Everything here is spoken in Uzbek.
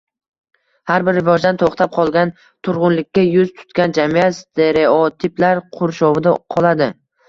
Har bir rivojdan to‘xtab qolgan, turg‘unlikka yuz tutgan jamiyat stereotiplar qurshovida qoladi.